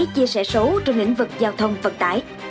chia sẻ số trong lĩnh vực giao thông vận tải